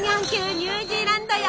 ニュージーランドよ。